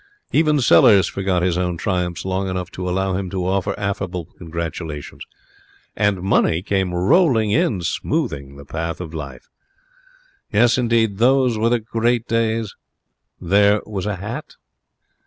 Even Sellers forgot his own triumphs long enough to allow him to offer affable congratulations. And money came rolling in, smoothing the path of life. Those were great days. There was a hat